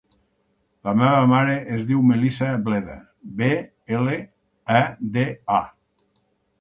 La meva mare es diu Melissa Bleda: be, ela, e, de, a.